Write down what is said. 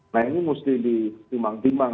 nah ini mesti ditimbang timbang